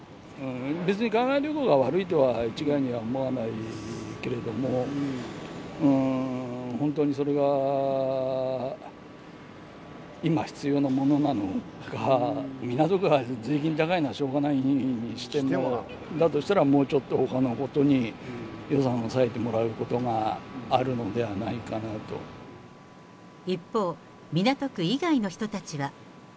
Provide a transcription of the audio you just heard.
別に海外旅行が悪いとは、一概には思わないけれども、本当にそれが今、必要なものなのか、港区は税金高いのはしょうがないにしても、だとしたら、もうちょっとほかのことに予算を割いてもらうことがあるのではな一方、港区以外の人たちは。